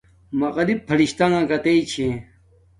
مقرب فرشتݳݣݳ کتݵئ چھݺ؟